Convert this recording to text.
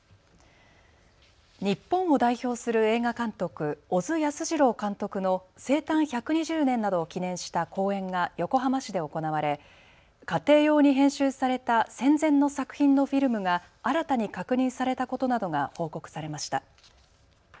日本を代表する映画監督、小津安二郎監督の生誕１２０年などを記念した講演が横浜市で行われ家庭用に編集された戦前の作品のフィルムが新たに確認されたことなどが報告されました。